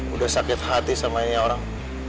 udah sakit hati sama ini orang